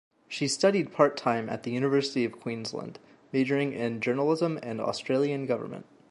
She studied part-time at the University of Queensland, majoring in journalism and Australian government.